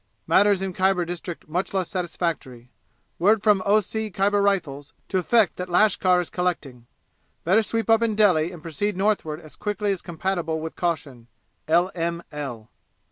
Matters in Khyber district much less satisfactory. Word from O C Khyber Rifles to effect that lashkar is collecting. Better sweep up in Delhi and proceed northward as quickly as compatible with caution. L. M. L."